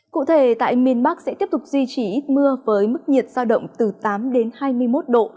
cụ thể tại miền bắc sẽ tiếp tục duy trì ít mưa với mức nhiệt giao động từ tám đến hai mươi một độ